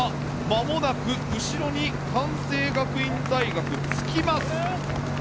まもなく、後ろに関西学院大学、つきます。